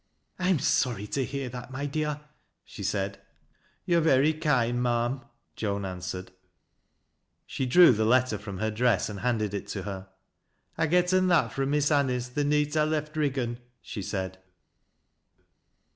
" I am sorry to hear that, my dear," she said. " Yo're very kind, ma'am," Joan answered. She drew the letter from her dress and handed it to hat " I getten that fro' Miss Anice the neet I left Riggan," ( e said.